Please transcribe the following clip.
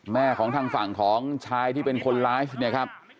แม่ของทางฝั่งของชายที่เป็นคนไลฟ์เนี่ยครับ